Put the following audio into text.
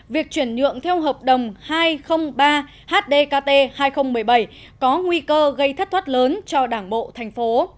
việc chuyển nhượng theo hợp đồng hai trăm linh ba hdkt hai nghìn một mươi bảy có nguy cơ gây thất thoát lớn cho đảng bộ thành phố